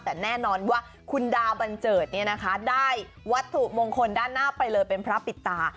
แต่แน่นอนว่าคุณดาวบันเจิดได้วัตถุมงคลด้านหน้าไปเลยเป็นพระปิดตา